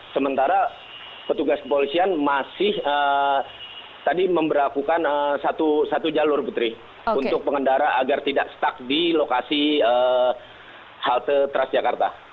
sementara petugas polisian masih tadi memberakukan satu jalur putri untuk pengendara agar tidak stuck di lokasi halte tras jakarta